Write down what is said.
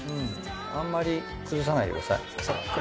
あんまり崩さないでください。